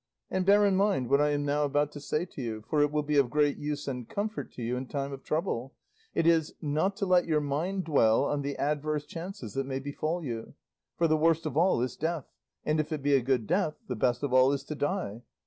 And bear in mind what I am now about to say to you, for it will be of great use and comfort to you in time of trouble; it is, not to let your mind dwell on the adverse chances that may befall you; for the worst of all is death, and if it be a good death, the best of all is to die.